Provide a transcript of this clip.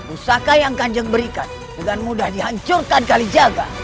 usaha yang kanjeng berikan dengan mudah dihancurkan kali jaga